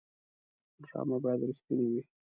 ډرامه باید رښتینې وي